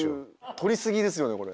取り過ぎですよねこれ。